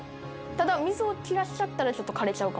ただ水を切らしちゃったらちょっと枯れちゃうかも。